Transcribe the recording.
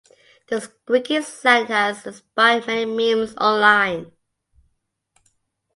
The squeaky sound has inspired many memes online.